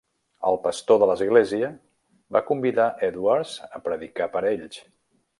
El pastor de l'església va convidar Edwards a predicar per a ells.